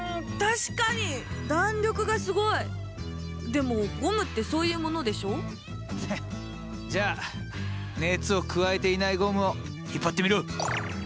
でもゴムってそういうものでしょ？へッじゃあ熱を加えていないゴムを引っ張ってみろ。